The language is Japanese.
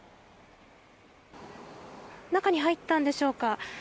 中に入ったんでしょうか。